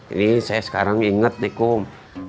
ini saya sekarang ingat nih kum